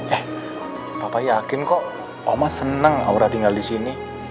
eh papa yakin kok oma seneng aura tinggal disini